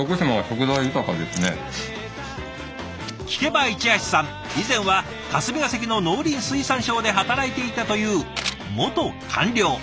聞けば市橋さん以前は霞が関の農林水産省で働いていたという元官僚。